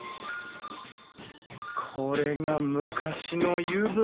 これが昔の湯船。